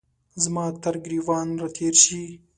زما ترګریوان را تیر شي